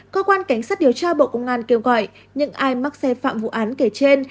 cơ quan cảnh sát điều tra bộ công an kêu gọi những ai mắc xe phạm vụ án kể trên